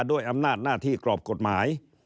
ด้วยอำนาจหน้าที่กรอบกฎหมาย